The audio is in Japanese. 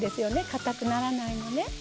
かたくならないでね